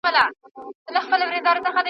د کلیو اقتصاد ورسره پیاوړی کېږي.